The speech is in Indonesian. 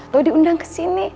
lo diundang kesini